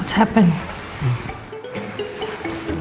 aduh apa yang terjadi